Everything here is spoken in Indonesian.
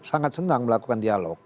sangat senang melakukan dialog